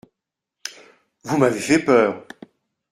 Vous m’avez fait peur.